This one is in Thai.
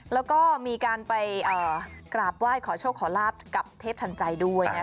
แล้วก็มีการไปกราบว่ายขอโชคขอราฟกับเทพธรรมชัยด้วย